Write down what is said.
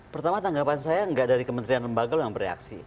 pertama tanggapan saya nggak dari kementerian lembaga yang bereaksi